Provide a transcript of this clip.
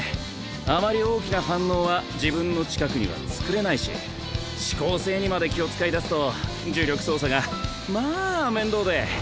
あまり大きな反応は自分の近くには作れないし指向性にまで気を遣いだすと呪力操作がまあ面倒で。